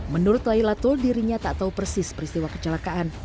menurut laylatul dirinya tak tahu persis peristiwa kecelakaan